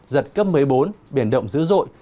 giật cấp một mươi bốn biển động dữ dội